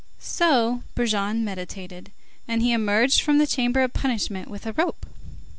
So Brujon meditated, and he emerged from the chamber of punishment with a rope.